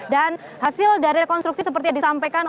dan hasil dari rekonstruksi seperti yang disampaikan